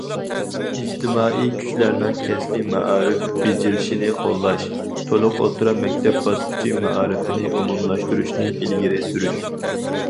ئىجتىمائىي كۈچلەرنىڭ كەسپىي مائارىپ بېجىرىشىنى قوللاش، تولۇق ئوتتۇرا مەكتەپ باسقۇچى مائارىپىنى ئومۇملاشتۇرۇشنى ئىلگىرى سۈرۈش.